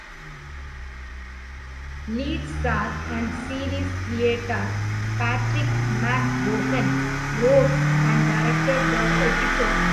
Lead star and series creator Patrick McGoohan wrote and directed the episode.